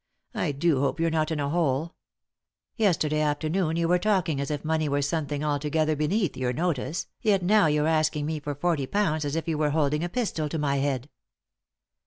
I do hope you're not in a bote. Yesterday afternoon you were talking as if money were something altogether beneath your notice, yet now you're asking me for forty pounds as if you were holding a pistol to my head."